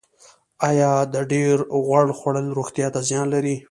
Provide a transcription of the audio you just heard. ایا د ډیر غوړ خوړل روغتیا ته زیان لري